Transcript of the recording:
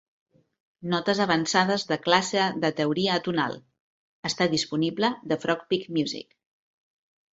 "Notes avançades de classe de teoria atonal" està disponible de Frog Peak Music.